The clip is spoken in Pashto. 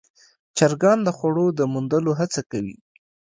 چرګان د خوړو د موندلو هڅه کوي.